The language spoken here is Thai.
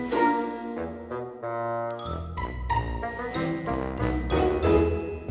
ดีทุกวันแป๊บทีหน่อย